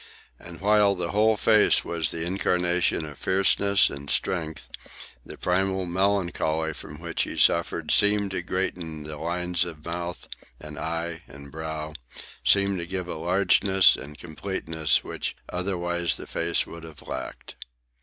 And while the whole face was the incarnation of fierceness and strength, the primal melancholy from which he suffered seemed to greaten the lines of mouth and eye and brow, seemed to give a largeness and completeness which otherwise the face would have lacked.